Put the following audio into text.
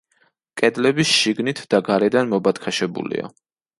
კედლები შიგნით და გარედან მობათქაშებულია.